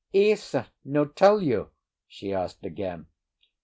"Ese no tell you?" she asked again.